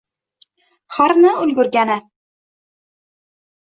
Harna ulgurgani.